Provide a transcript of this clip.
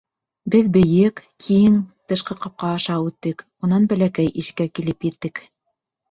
Беҙ бейек, киң тышҡы ҡапҡа аша үттек, унан бәләкәй ишеккә килеп еттек.